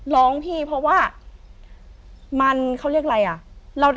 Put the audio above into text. ร้องพี่เพราะว่ามันเขาเรียกอะไรอ่ะ